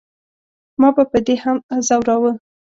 ما به په دې هم زوراوه.